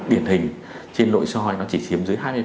điển hình trên nội soi nó chỉ chiếm dưới hai mươi